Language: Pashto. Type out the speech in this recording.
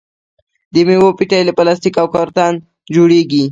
د میوو پیټۍ له پلاستیک او کارتن جوړیږي.